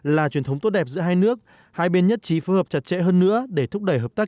là truyền thống tốt đẹp giữa hai nước hai bên nhất trí phù hợp chặt chẽ hơn nữa để thúc đẩy hợp tác